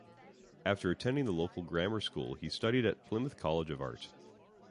After attending the local grammar school he studied at Plymouth College of Art.